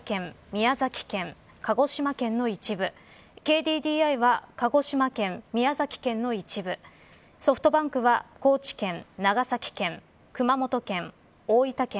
宮崎県、鹿児島県の一部ＫＤＤＩは鹿児島県宮崎県の一部ソフトバンクは高知県、長崎県熊本県、大分県